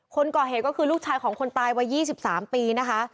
คนก่อเหตุก็คือลูกชายของคนตายวัย๒๓ปีนะคะ